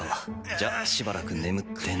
じゃしばらく眠ってな。